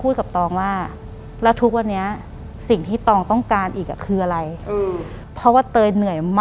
หลังจากนั้นเราไม่ได้คุยกันนะคะเดินเข้าบ้านอืม